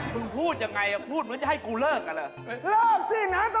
มึงพูดอย่างไรพูดเหมือนจะให้กูเลิกกันเลย